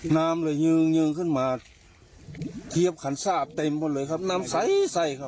น้ำเลยเงิงขึ้นมาเฉียบขันซ่าเต็มเลยครับน้ำไสครับ